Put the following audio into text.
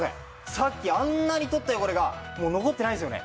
さっきあんなに取った汚れがもう残ってないですよね。